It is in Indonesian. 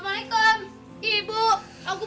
ganteng penimpatan gue